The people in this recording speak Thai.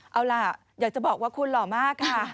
เอาล่ะอยากจะบอกว่าคุณหล่อมากค่ะ